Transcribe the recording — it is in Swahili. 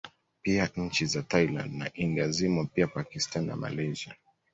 Pia nchi za Thailand na India zimo pia Pakistani na Malaysia